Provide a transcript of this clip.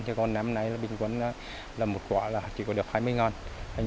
còn năm nay bình quấn một quả chỉ có được hai mươi ngàn